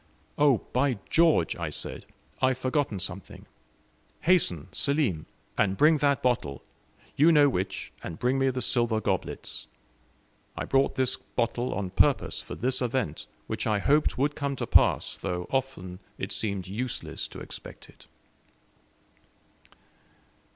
"Oh, by George!" I said, "I have forgotten something. Hasten, Selim, and bring that bottle; you know which and bring me the silver goblets. I brought this bottle on purpose for this event, which I hoped would come to pass, though often it seemed useless to expect it."